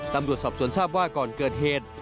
ตำรวจสอบสวนทราบว่าก่อนเกิดเหตุ